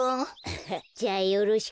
じゃあよろしく。